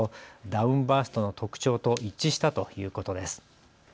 ダウンバーストの特徴と一致したということです。